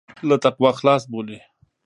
له تقوا خلاص بولي.